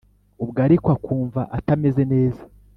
ubwo ariko akumva atameze neza,